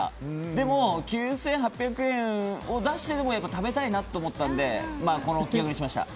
でも、９８００円を出してでもやっぱり食べたいなと思ったのでこのくらいにしました。